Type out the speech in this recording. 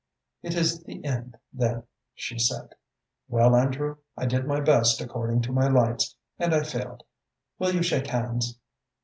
"It is the end, then," she said. "Well, Andrew, I did my best according to my lights, and I failed. Will you shake hands?"